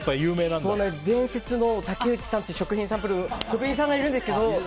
伝説の食品サンプルの職人さんがいるんですけど。